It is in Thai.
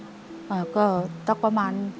อเรนนี่คือเหตุการณ์เริ่มต้นหลอนช่วงแรกแล้วมีอะไรอีก